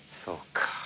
そうか。